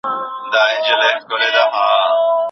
د مشر لارښووني نه هېرول کېږي.